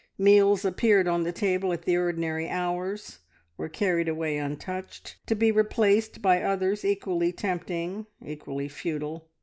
Meals appeared on the table at the ordinary hours, were carried away untouched, to be replaced by others equally tempting, equally futile.